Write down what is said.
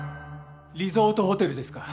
リゾートホテルですか？